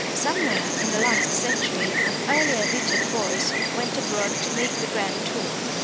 Somewhere in the last century an earlier Richard Boyce went abroad to make the grand tour.